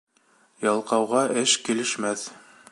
Ялҡауға эш килешмәҫ.